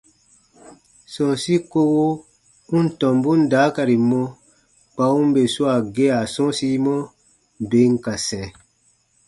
Sɔ̃ɔsi kowo u n tɔmbun daakari mɔ kpa u n bè swaa gea sɔ̃ɔsimɔ, bè n ka sɛ̃.